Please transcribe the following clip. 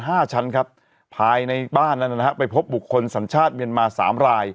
ห้าชั้นครับภายในบ้านนั้นนะฮะไปพบบุคคลสัญชาติเมียนมาสามราย